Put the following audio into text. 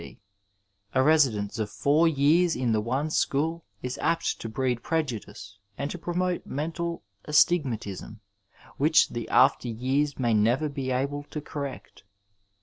D. A residence of four years in the one school is apt to breed prejudice and to prcNtnote mental astig matism which the after years may neyer be able to correct.